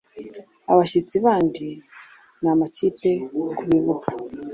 abashyitsi bandi n amakipi ku bibuga